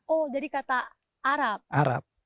oh jadi kata arab arab